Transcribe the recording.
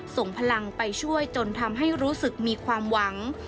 ส่งพลังไปช่วยจนทำให้รู้สึกมีความหวัง